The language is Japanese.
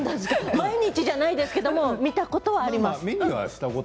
毎日じゃないけど見たことはあります。